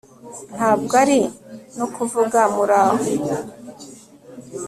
Ntabwo ari no kuvuga Muraho